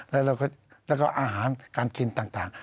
แล้วก็อาหารการกินต่าง